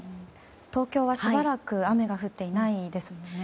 東京はしばらく雨が降っていないですもんね。